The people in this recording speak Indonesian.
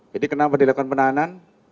jadi kenapa dilakukan penahanan